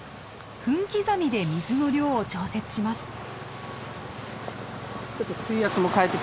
分刻みで水の量を調節します。